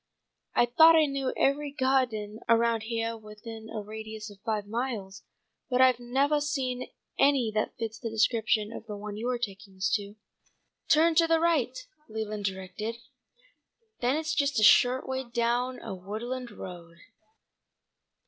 I thought I knew every gah'den around heah within a radius of five miles, but I've nevah seen any that fits the description of the one you're taking us to." "Turn to the right," Leland directed. "Then it's just a short way down a woodland road.